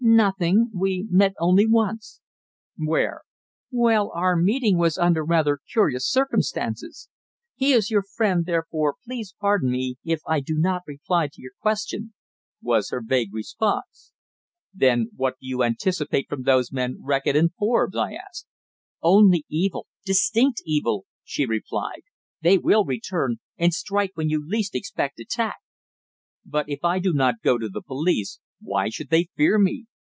"Nothing. We met only once." "Where?" "Well our meeting was under rather curious circumstances. He is your friend, therefore please pardon me if I do not reply to your question," was her vague response. "Then what do you anticipate from those men, Reckitt and Forbes?" I asked. "Only evil distinct evil," she replied. "They will return, and strike when you least expect attack." "But if I do not go to the police, why should they fear me?